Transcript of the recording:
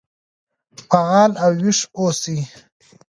فعال او ويښ اوسئ.